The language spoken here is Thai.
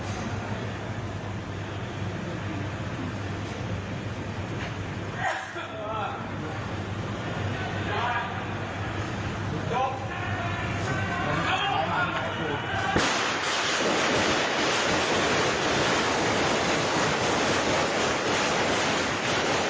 หลังชั้นหลังของแล้วรีบกันยังรีบไม่ทันหลังทัน